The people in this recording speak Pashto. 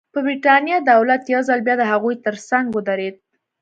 د برېټانیا دولت یو ځل بیا د هغوی ترڅنګ ودرېد.